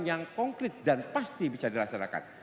yang konkret dan pasti bisa dilaksanakan